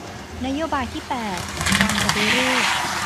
นโยบายที่แปดการปฏิรูป